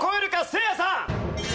せいやさん！